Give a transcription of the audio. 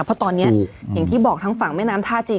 เพราะตอนนี้อย่างที่บอกทางฝั่งแม่น้ำท่าจีน